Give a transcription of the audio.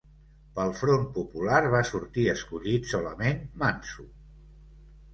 Pel Front Popular va sortir escollit solament Manso.